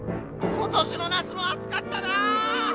今年の夏も暑かったな。